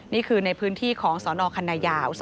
นี่คือในพื้นที่ของสนคันนายาว